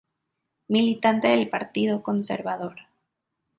Militante del Partido Conservador.